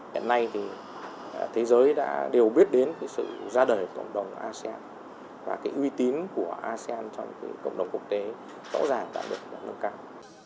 hiện nay thì thế giới đã đều biết đến cái sự ra đời của cộng đồng asean và cái uy tín của asean trong cái cộng đồng quốc tế tổ dàng đã được nâng cao